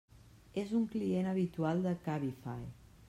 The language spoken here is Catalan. És un client habitual de Cabify.